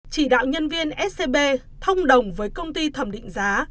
chỉ đạo nhân viên scb thông đồng với công ty thẩm định giá